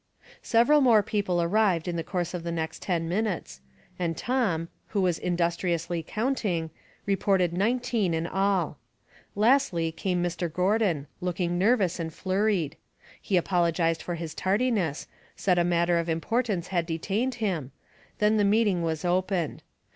Several more people arrived in the course of the next ten minutes, and Tom, who was in dustriously counting, reported nineteen in all. Lastly came Mr. Gordon, looking nervous and flurried. He apologized for his tardiness, said a matter of importance had detained him ; then the meeting was opened.